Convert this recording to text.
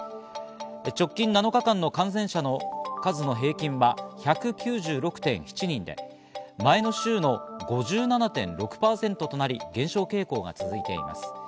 直近７日間の感染者の数の平均は１９６．７人で、前の週の５７．６％となり、減少傾向が続いています。